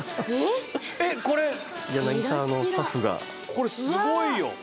これすごいよ！